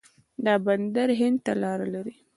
دا بندر هند ته لاره لري.